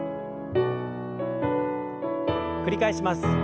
繰り返します。